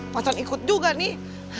masan ikut juga nih